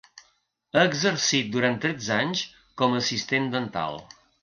Ha exercit durant tretze anys com a assistent dental.